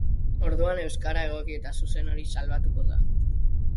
Orduan euskara egoki eta zuzen hori salbatuko da.